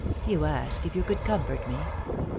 you ask if you could comfort me ?